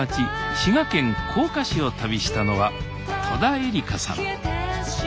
滋賀県甲賀市を旅したのは戸田恵梨香さん。